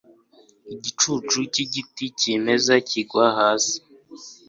igicucu cyigiti cyimeza kigwa hasi